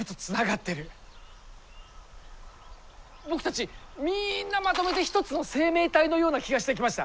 僕たちみんなまとめて一つの生命体のような気がしてきました。